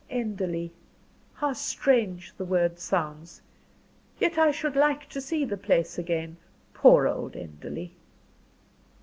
"Enderley how strange the word sounds! yet I should like to see the place again. Poor old Enderley!"